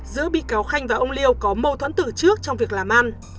giữa bị cáo khanh và ông liêu có mâu thuẫn từ trước trong việc làm ăn